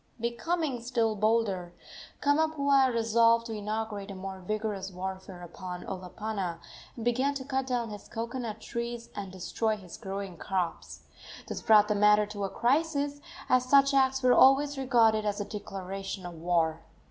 Becoming still bolder, Kamapuaa resolved to inaugurate a more vigorous warfare upon Olopana, and began to cut down his cocoanut trees and destroy his growing crops. This brought the matter to a crisis, as such acts were always regarded as a declaration of war.